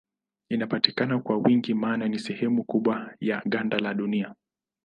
Inapatikana kwa wingi maana ni sehemu kubwa ya ganda la Dunia.